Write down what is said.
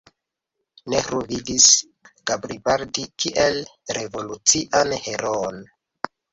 Nehru vidis Garibaldi kiel revolucian heroon.